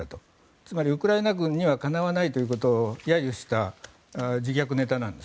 つまりウクライナ軍にはかなわないということを揶揄した自虐ネタなんです。